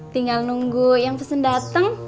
tinggal nunggu yang pesen datang